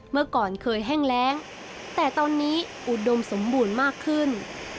เมื่อก่อนเคยแห้งแรงแต่ตอนนี้อุดมสมบูรณ์มากขึ้น